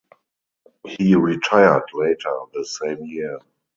He retired later the same year.